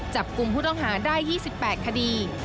จับกลุ่มผู้ต้องหาได้๒๘คดี